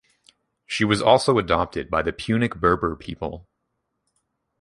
She was also adopted by the Punic Berber people.